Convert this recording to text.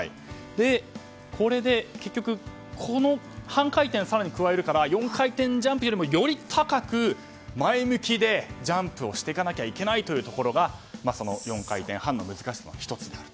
結局、この半回転を更に加えるから４回転ジャンプよりもより高く前向きでジャンプをしていかなきゃいけないというところが４回転半の難しさの１つであると。